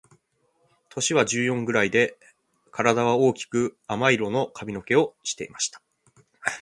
年は十四ぐらいで、体は大きく亜麻色の髪の毛をしていました。